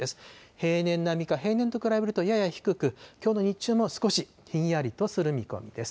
平年並みか、平年と比べるとやや低く、きょうの日中も少しひんやりとする見込みです。